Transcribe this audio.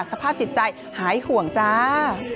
สภาพจิตใจหายห่วงจ้า